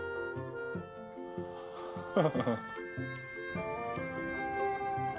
ハハハハ。